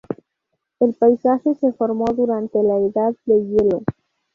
El paisaje se formó durante la Edad de Hielo.